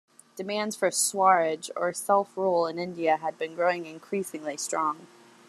Demands for swaraj, or self-rule, in India had been growing increasingly strong.